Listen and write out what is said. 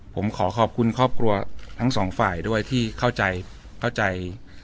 ผมขอขอบคุณครอบครัวทั้งสองฝ่ายด้วยที่เข้าใจเข้าใจ